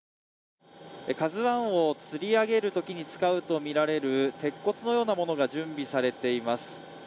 「ＫＡＺＵⅠ」をつり上げるときに使うとみられる鉄骨のようなものが準備されています。